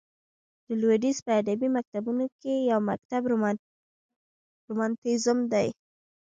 د لوېدیځ په ادبي مکتبونو کښي یو مکتب رومانتیزم دئ.